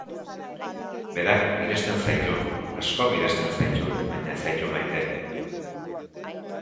Berak miresten zaitu, asko miresten zaitu, baina ez zaitu maite.